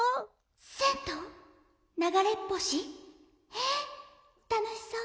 へえたのしそう！」。